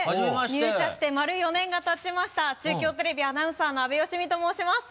入社して丸４年がたちました中京テレビアナウンサーの阿部芳美と申します